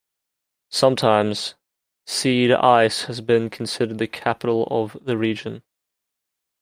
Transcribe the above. Sometimes, Siedlce has been considered the capital of the region.